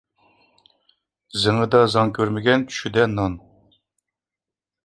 زېڭىدا زاڭ كۆرمىگەن، چۈشىدە نان.